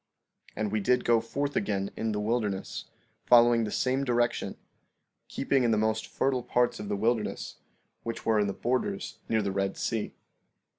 And we did go forth again in the wilderness, following the same direction, keeping in the most fertile parts of the wilderness, which were in the borders near the Red Sea.